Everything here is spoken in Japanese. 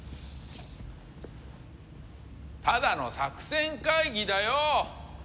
ただの作戦会議だよ！